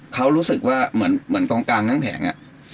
เขารู้สึกว่าเหมือนกองกลางทั้งแผงอะ